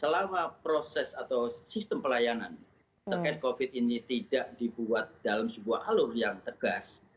selama proses atau sistem pelayanan terkait covid ini tidak dibuat dalam sebuah alur yang tegas